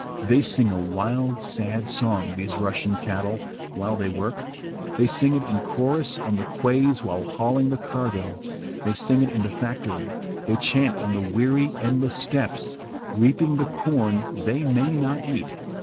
They sing a wild, sad song, these Russian cattle, the while they work. They sing it in chorus on the quays while hauling the cargo, they sing it in the factory, they chant on the weary, endless steppes, reaping the corn they may not eat.